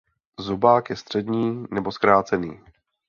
Zobák je střední nebo zkrácený.